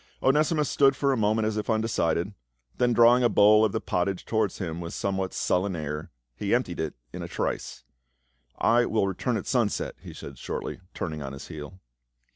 Onesimus stood for a moment as if undecided, then drawing a bowl of the pottage toward him with a some what sullen air he emptied it in a trice. " I will return at sunset," he said shortly, turning on his heel.